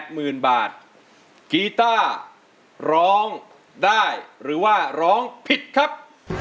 หมื่นบาทกีต้าร้องได้หรือว่าร้องผิดครับ